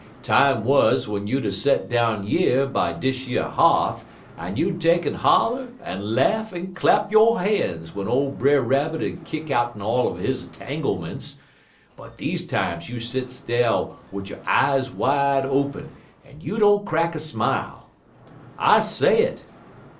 Time wuz w'en you 'ud set down yer by dish yer h'a'th, en you'd take'n holler en laugh en clap yo' han's w'en ole Brer Rabbit 'ud kick outen all er he tanglements; but deze times you sets dar wid yo' eyes wide open, en you don't crack a smile. I say it!"